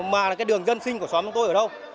mà cái đường dân sinh của xóm tôi ở đâu